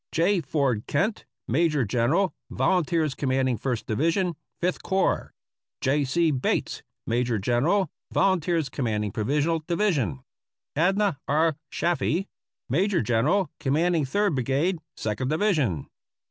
J. Ford Kent, Major General Volunteers Commanding First Division, Fifth Corps. „ J. C. Bates, Major General Volunteers Commanding Provisional Division. Adnah R. Chaffee, Major General Commanding Third Brigade, Second Division.